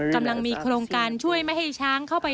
กำลังมีโครงการช่วยไม่ให้ช้างเข้าไป